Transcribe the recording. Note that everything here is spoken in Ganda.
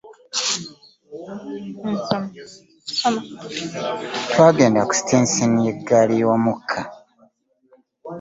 Twagenda ku sitenseni y'egaali y'omukka.